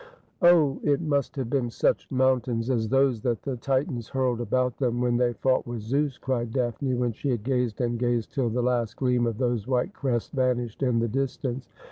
'Oti, it must have been such mountains as those that the Titans liurled about them when tiny fought wilb Zeus,' cried Daphne when she had gazed and gazed till the ] isi gleam of those white crests vanished in the distance.